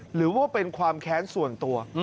หรือว่าเป็นความแค้นส่วนตัว